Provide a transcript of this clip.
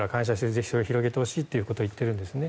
ぜひそれを広げてほしいと言っているんですね。